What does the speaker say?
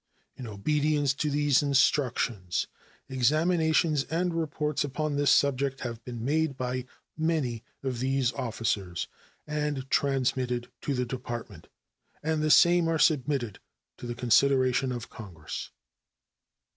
In obedience to these instructions, examinations and reports upon this subject have been made by many of these officers and transmitted to the Department, and the same are submitted to the consideration of Congress.